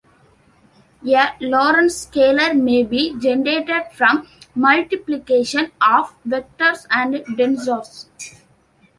A Lorentz scalar may be generated from multiplication of vectors or tensors.